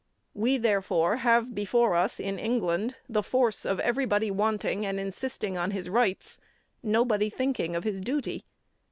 We, therefore, have before us in England the force of everybody wanting and insisting on his rights, nobody thinking of his duty.